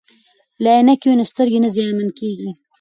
که عینکې وي نو سترګې نه زیانمن کیږي.